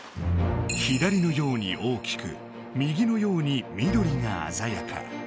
左のように大きく右のように緑があざやか。